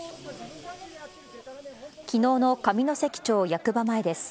きのうの上関町役場前です。